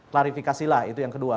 klarifikasilah itu yang kedua